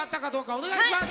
お願いします。